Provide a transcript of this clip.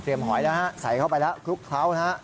เตรียมหอยนะฮะใส่เข้าไปแล้วคลุกเคล้านะฮะ